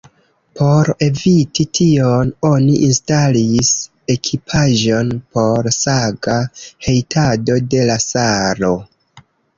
Por eviti tion, oni instalis ekipaĵon por gasa hejtado de la salo.